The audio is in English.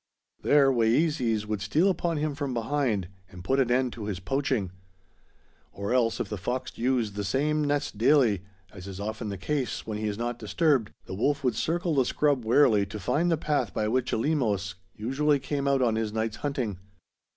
There Wayeeses would steal upon him from behind and put an end to his poaching; or else, if the fox used the same nest daily, as is often the case when he is not disturbed, the wolf would circle the scrub warily to find the path by which Eleemos usually came out on his night's hunting.